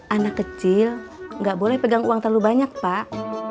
anak kecil nggak boleh pegang uang terlalu banyak pak